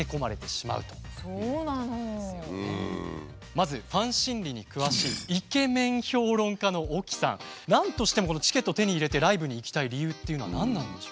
まずファン心理に詳しいなんとしてもチケットを手に入れてライブに行きたい理由っていうのは何なんでしょうか？